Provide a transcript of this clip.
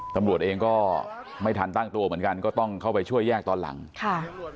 ตำรวจเองก็ไม่ทันตั้งตัวเหมือนกันก็ต้องเข้าไปช่วยแยกตอนหลังค่ะ